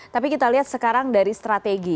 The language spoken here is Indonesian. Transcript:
tapi kita lihat sekarang dari strategi